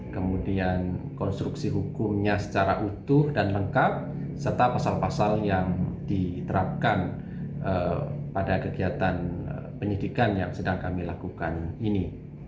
kemudian konstruksi hukumnya secara utuh dan lengkap serta pasal pasal yang diterapkan pada kegiatan penyidikan yang sedang kami lakukan ini